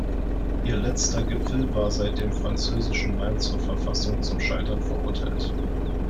Ihr letzter Gipfel war seit dem französischen Nein zur Verfassung zum Scheitern verurteilt.